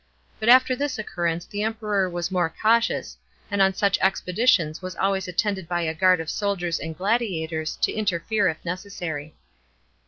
But after tliis occurrence the Emperor was more cautious, and on such expeditions was always attended by a guard of soldiers and gladiators, to interfere if necessary.